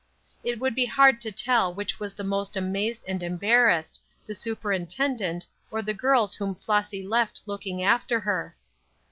It would be hard to tell which was the most amazed and embarrassed, the superintendent or the girls whom Flossy left looking after her.